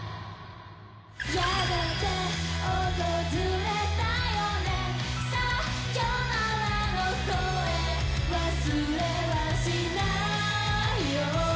「やがて訪れたよねさよならの声忘れはしないよ」